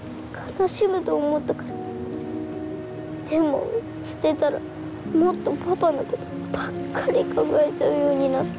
でも捨てたらもっとパパのことばっかり考えちゃうようになって。